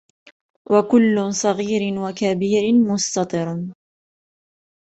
وَكُلُّ صَغِيرٍ وَكَبِيرٍ مُسْتَطَرٌ